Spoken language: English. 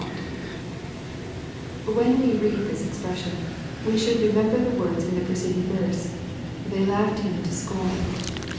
] When we read this expression, we should remember the words in the preceding verse, '^ They laugh ed Him to scorn."